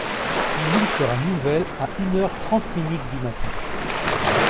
La lune sera nouvelle à une heure trente minutes du matin.